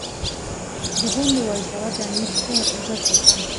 د هند وایسرا د امیر ښه عزت وکړ.